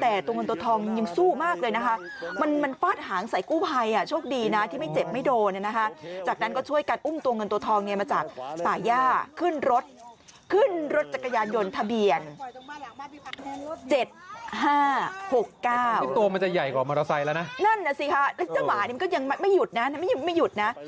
แล้วหมานี่ก็ยังไม่หยุดนะ